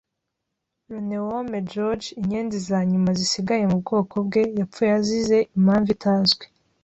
Loneome George, inyenzi za nyuma zisigaye mu bwoko bwe, yapfuye azize impamvu zitazwi.